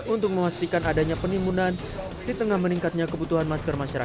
untuk memastikan adanya penimbunan di tengah meningkatnya kebutuhan masker